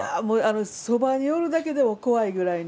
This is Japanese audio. そばにおるだけでも怖いぐらいの。